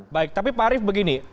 baik tapi pak arief begini